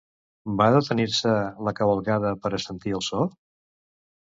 Va detenir-se la cavalcada per a sentir el so?